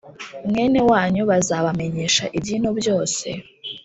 mwene wanyu bazabamenyesha iby’ino byose